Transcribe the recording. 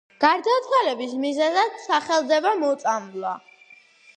გარდაცვალების მიზეზად სახელდება მოწამვლა.